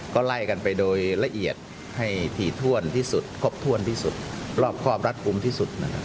ก็ไล่กันไปโดยละเอียดให้ถี่ถ้วนที่สุดครบถ้วนที่สุดรอบครอบรัดคุ้มที่สุดนะครับ